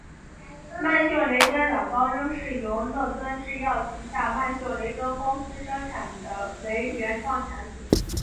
曼秀雷敦软膏仍是由乐敦制药旗下曼秀雷敦公司生产的为原创产品。